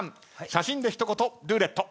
写真で一言ルーレット。